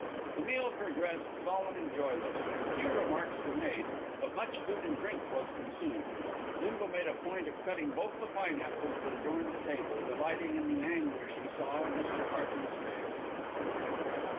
The meal progressed solemn and joyless. Few remarks were made, but much food and drink was consumed. Bindle made a point of cutting both the pineapples that adorned the table, delighting in the anguish he saw on Mr. Hearty's face.